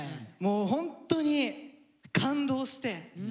もうホントに感動して。